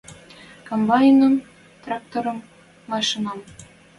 Комбайным, тракторым, машинӓм.